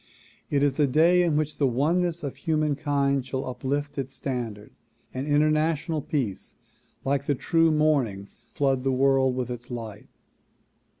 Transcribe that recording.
It is a day in which the oneness of humankind shall uplift its standard and international peace like the true morning flood the world with its light.